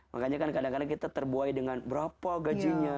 makanya kan kadang kadang kita terbuai dengan berapa gajinya